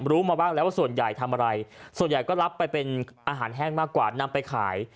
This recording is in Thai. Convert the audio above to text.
รู้มาบ้างแล้วว่าส่วนใหญ่ทำอะไรส่วนใหญ่ก็รับไปเป็นอาหารแห้งมากกว่านำไปขาย